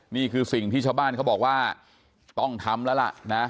นี่คือสิ่งที่ชาวบ้านเขาบอกว่าต้องทำแล้วล่ะนะ